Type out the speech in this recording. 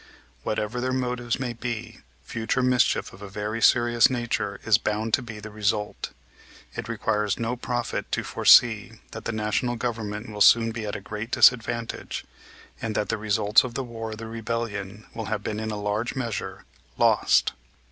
Whatever their motives may be, future mischief of a very serious nature is bound to be the result. It requires no prophet to foresee that the national government will soon be at a great disadvantage and that the results of the war of the rebellion will have been in a large measure lost.